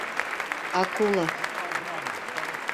Акула